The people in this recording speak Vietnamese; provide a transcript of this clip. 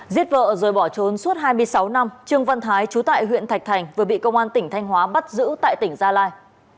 giết vợ rồi bỏ trốn suốt hai mươi sáu năm trương văn thái trú tại huyện thạch thành vừa bị công an tỉnh thanh hóa bắt giữ tại tỉnh gia lai